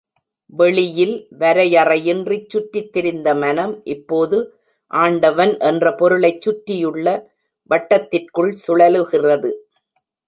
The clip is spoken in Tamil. வெளியில் வரையறையின்றிச் சுற்றித் திரிந்த மனம் இப்போது ஆண்டவன் என்ற பொருளைச் சுற்றியுள்ள வட்டத்திற்குள் சுழலுகிறது.